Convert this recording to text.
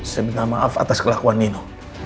saya minta maaf atas kelakuan nino